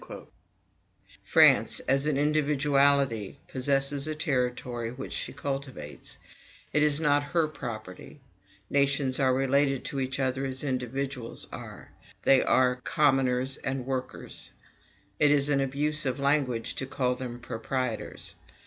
France, as an individuality, possesses a territory which she cultivates; it is not her property. Nations are related to each other as individuals are: they are commoners and workers; it is an abuse of language to call them proprietors.